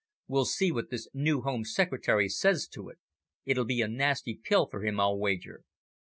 We'll see what this new Home Secretary says to it! It'll be a nasty pill for him, I'll wager."